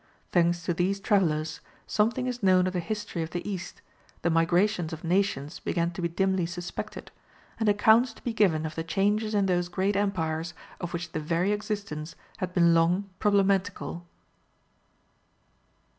Thanks to these travellers, something is known of the history of the east, the migrations of nations began to be dimly suspected, and accounts to be given of the changes in those great empires of which the very existence had been long problematical.